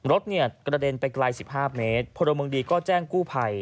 รถกระเด็นไปไกล๑๕เมตรพลมงดีก็แจ้งกู้ภัย